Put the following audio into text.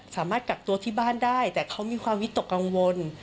สามารถกักตัวที่บ้านได้แต่เขามีความวิตกกังวล